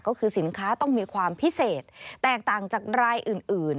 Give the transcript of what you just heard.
ก็คือสินค้าต้องมีความพิเศษแตกต่างจากรายอื่น